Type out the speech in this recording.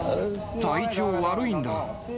体調悪いんだ。